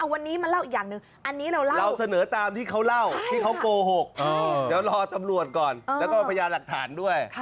เราเสนอตามที่เขาเล่าที่เขาโกหกแล้วรอตำรวจก่อนแล้วก็พยายามหลักฐานด้วย